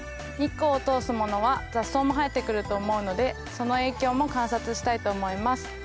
日光を通すものは雑草も生えてくると思うのでその影響も観察したいと思います。